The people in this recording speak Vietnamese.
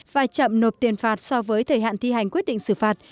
và chậm nộp tiền phạt so với thời hạn thi hành quyết định xử phạt